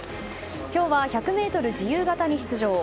今日は１００ｍ自由形に出場。